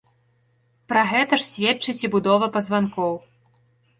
Пра гэта ж сведчыць і будова пазванкоў.